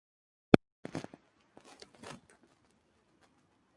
La sede del condado es Pratt.